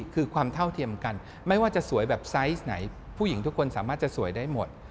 คือความเท่าเทียมกันไม่ว่าจะสวยแบบไซส์ไหนผู้หญิงทุกคนสามารถจะสวยได้หมด